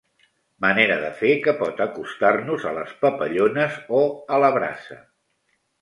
Manera de fer que pot acostar-nos a les papallones o a la braça.